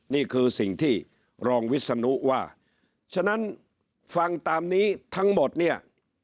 นี่คือสิ่งที่รองวิศนุว่าฉะนั้นฟังตามนี้ทั้งหมดเนี่ย